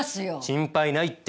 心配ないって。